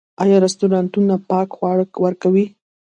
آیا رستورانتونه پاک خواړه ورکوي؟